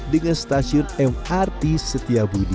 dengan stasiun mrt setiabudi